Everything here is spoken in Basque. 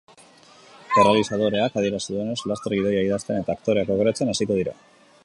Errealizadoreak adierazi duenez, laster gidoia idazten eta aktoreak aukeratzen hasiko dira.